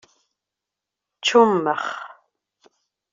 Čummex.